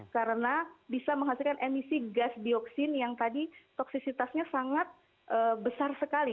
karena bisa menghasilkan emisi gas dioksin yang tadi toksisitasnya sangat besar sekali